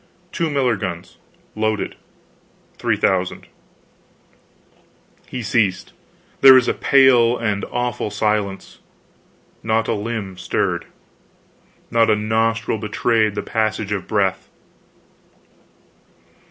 .. 4,000 2 miller guns, loaded .......... 3,000 He ceased. There was a pale and awful silence. Not a limb stirred. Not a nostril betrayed the passage of breath.